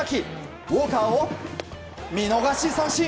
ウォーカーを見逃し三振。